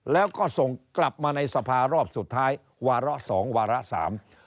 แล้วก็ส่งกลับมาในสภารอบสุดท้ายวาระสองวาระสาม